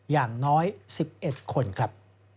อย่างน้อย๑๑คนครับ